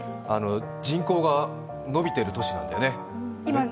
人口が伸びてる都市なんだよね。